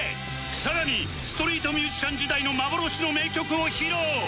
さらにストリートミュージシャン時代の幻の名曲を披露